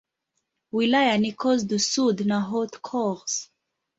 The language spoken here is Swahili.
Wilaya ni Corse-du-Sud na Haute-Corse.